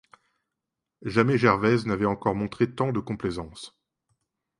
Jamais Gervaise n'avait encore montré tant de complaisance.